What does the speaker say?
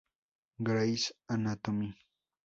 Grey's Anatomy